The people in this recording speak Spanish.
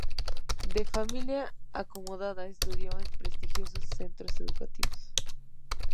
De familia acomodada estudió en prestigiosos centros educativos.